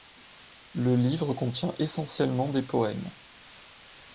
Le livre contient essentiellement des poèmes.